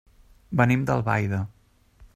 Venim d'Albaida.